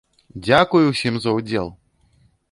Дзякуй усім за ўдзел!